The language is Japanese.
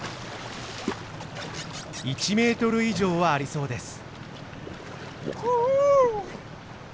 １メートル以上はありそうです。